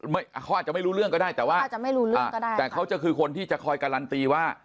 เขาอาจจะไม่รู้เรื่องก็ได้แต่เขาจะคือคนที่จะคอยการันตีว่า